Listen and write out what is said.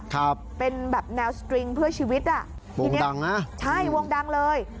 ครับเป็นแบบแนวสตริงเพื่อชีวิตอ่ะทีเนี้ยดังนะใช่วงดังเลย